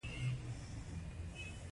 اداره باید د دې دفتر ساتنه وکړي.